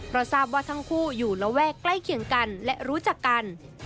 เพราะทราบว่าทั้งคู่อยู่ระแวกใกล้เคียงกันและรู้จักกัน